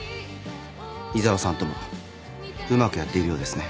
井沢さんともうまくやっているようですね。